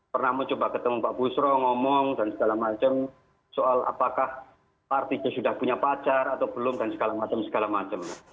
pernah mencoba ketemu pak busro ngomong dan segala macam soal apakah artinya sudah punya pacar atau belum dan segala macam segala macam